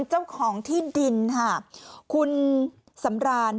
เจ้าของที่ดินค่ะคุณสำราน